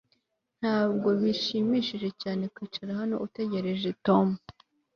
Ntabwo bishimishije cyane kwicara hano utegereje Tom